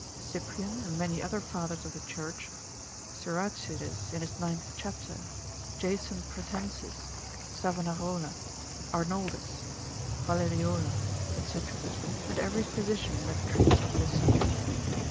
Cyprian, and many other fathers of the church, Siracides in his ninth chapter, Jason Pratensis, Savanarola, Arnoldus, Valleriola, &c., and every physician that treats of this subject.